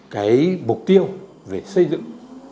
cái mục tiêu về xây dựng